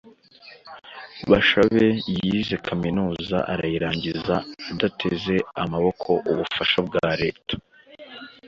Bashabe yize Kaminuza arayirangiza adateze amaboko ubufasha bwa leta